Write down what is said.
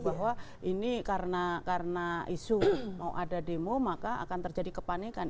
bahwa ini karena isu mau ada demo maka akan terjadi kepanikan